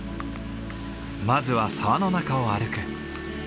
まずは沢の中を歩く。